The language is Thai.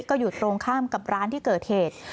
ก็อยู่ตรงข้ามกับร้านที่เกิดเหตุ